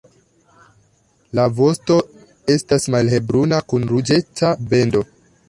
La vosto estas malhelbruna, kun ruĝeca bendo.